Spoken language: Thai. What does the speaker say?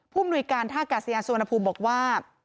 มนุยการท่ากาศยานสุวรรณภูมิบอกว่า